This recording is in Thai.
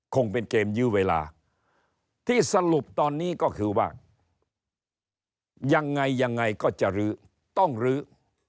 คงเป็นเกมยื้อเวลาที่สรุปตอนนี้ก็คือว่ายังไงยังไงก็จะลื้อต้องลื้อ